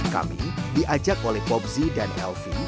kami diajak oleh bob zee dan elvi